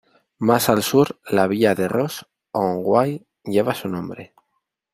Más al sur, la villa de Ross on Wye lleva su nombre.